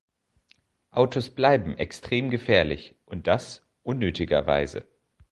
Autos bleiben extrem gefährlich, und das unnötigerweise.